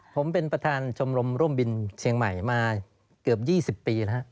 ผมเป็นประธานชมรมร่วมบินเชียงใหม่มาเกือบ๒๐ปีแล้ว